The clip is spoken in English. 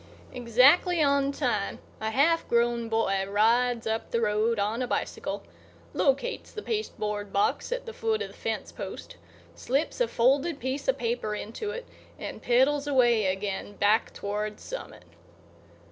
Exactly on time, a half grown boy rides up the road on a bicycle, locates the pasteboard box at the foot of the fence post, slips a folded piece of paper into it and pedals away again back toward Summit.